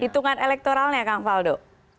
hitungan elektoralnya kang valdo